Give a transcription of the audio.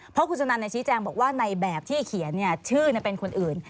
เพราะคุณสุนันชี้แจงบอกว่าในแบบที่เขียนชื่อเป็นคนอื่น